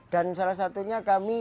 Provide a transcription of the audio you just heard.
dan salah satunya kami